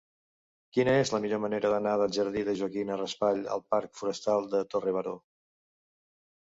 Quina és la millor manera d'anar del jardí de Joaquima Raspall al parc Forestal de Torre Baró?